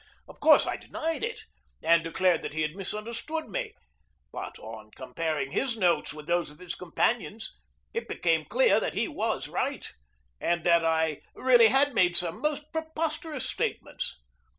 Of course I denied it, and declared that he had misunderstood me, but on comparing his notes with those of his companions, it became clear that he was right, and that I really had made some most preposterous statements.